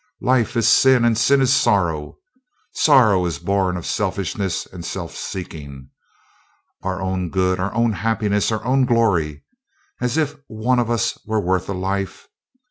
"Life is sin, and sin is sorrow. Sorrow is born of selfishness and self seeking our own good, our own happiness, our own glory. As if any one of us were worth a life!